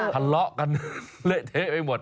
ทะเลาะกันเละเทะไปหมด